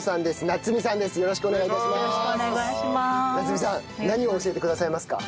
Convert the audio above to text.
奈津美さん何を教えてくださいますか？